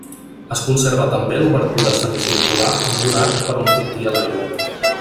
Es conserva també l'obertura semicircular amb un arc per on sortia l'aigua.